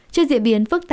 trên diễn biến